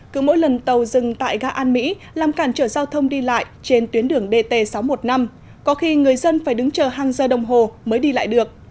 cứ mỗi lần tàu dừng tại gà an mỹ làm cản trở giao thông đi lại trên tuyến đường dt sáu trăm một mươi năm có khi người dân phải đứng chờ hàng giờ đồng hồ mới đi lại được